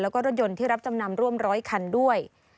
แล้วก็รถยนต์ที่รับจำนำร่วมร้อยคันด้วย